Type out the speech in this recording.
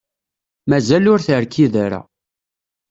Mazal ur terkid ara.